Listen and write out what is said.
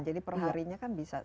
jadi perharinya kan bisa sampai